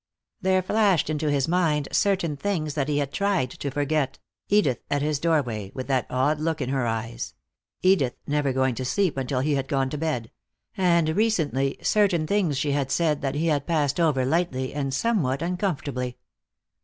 There flashed into his mind certain things that he had tried to forget; Edith at his doorway, with that odd look in her eyes; Edith never going to sleep until he had gone to bed; and recently, certain things she had said, that he had passed over lightly and somewhat uncomfortably.